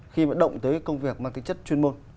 khi mà động tới công việc mang tính chất chuyên môn